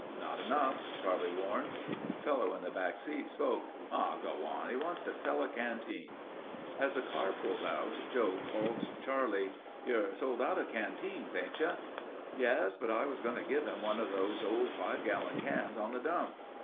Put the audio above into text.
"Not enough," Charlie warned. A fellow in the back seat spoke, "Aw, go on. He wants to sell a canteen...." As the car pulled out, Joe called to Charlie: "You're sold out of canteens, ain't you?" "Yes. But I was going to give him one of those old five gallon cans on the dump."